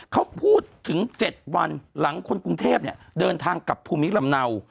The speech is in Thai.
เขาพูดถึง๗วันหลังคนกรุงเทพเดินทางกลับภูมิลำเนา